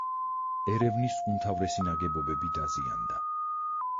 ერევნის უმთავრესი ნაგებობები დაზიანდა.